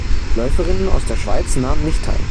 Läuferinnen aus der Schweiz nahmen nicht teil.